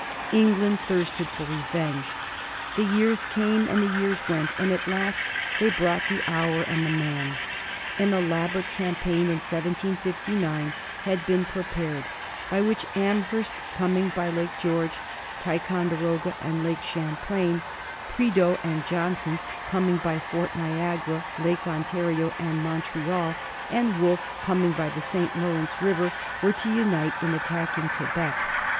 England thirsted for revenge. The years came and the years went, and at last they brought the hour and the men. An elaborate campaign in 1759 had been prepared, by which Amherst, coming by Lake George, Ticonderoga, and Lake Champlain; Prideaux and Johnson coming by Fort Niagara, Lake Ontario, and Montreal; and Wolfe coming by the St. Lawrence River, were to unite in attack ing Quebec.